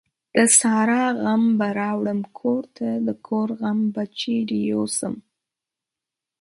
د سارا غم به راوړم کورته ، دکور غم به چيري يو سم ؟.